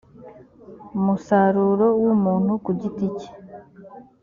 musaruro w umuntu ku giti cye